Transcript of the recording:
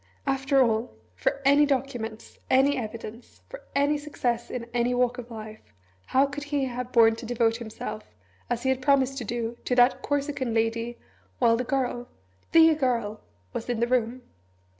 After all for any documents, any evidence, for any success in any walk of life, how could he have borne to devote himself, as he had promised to do, to that Corsican lady, while the Girl, the Girl, was in the room?